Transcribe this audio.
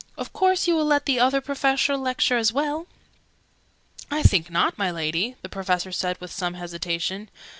"Of course you will let the Other Professor lecture as well?" "I think not, my Lady?" the Professor said with some hesitation.